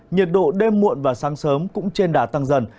nhiệt độ đêm muộn và sáng sớm cũng trên đà tăng dần